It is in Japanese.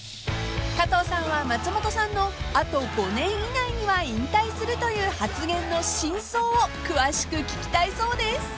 ［加藤さんは松本さんの「あと５年以内には引退する」という発言の真相を詳しく聞きたいそうです］